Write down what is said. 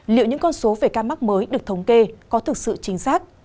liệu những con số về ca mắc mới được thống kê có thực sự chính xác